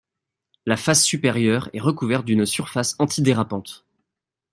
La face supérieure est recouverte d'une surface antidérapante.